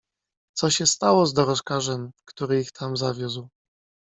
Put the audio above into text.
"Co się stało z dorożkarzem, który ich tam zawiózł?"